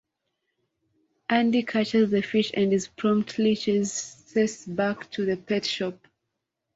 Andy catches the fish and is promptly chases back to the pet shop.